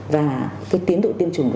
và cái tiến đội tiêm chủng